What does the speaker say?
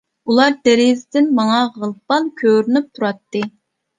ئۇلار دېرىزىدىن ماڭا غىل-پال كۆرۈنۈپ تۇراتتى.